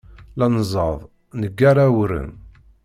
La neẓẓad, neggar awren.